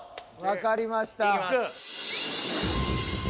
わかりました。